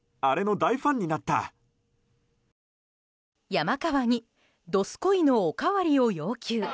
山川にどすこいのおかわりを要求。